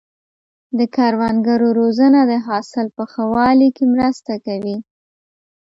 د کروندګرو روزنه د حاصل په ښه والي کې مرسته کوي.